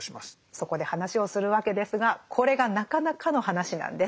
そこで話をするわけですがこれがなかなかの話なんです。